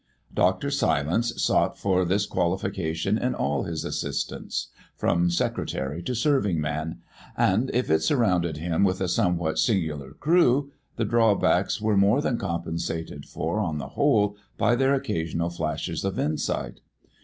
Dr. Silence sought for this qualification in all his assistants, from secretary to serving man, and if it surrounded him with a somewhat singular crew, the drawbacks were more than compensated for on the whole by their occasional flashes of insight.